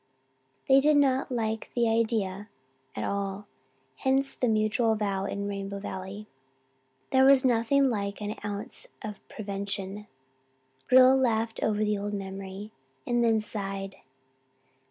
They did not like the idea at all, hence the mutual vow in Rainbow Valley. There was nothing like an ounce of prevention. Rilla laughed over the old memory and then sighed.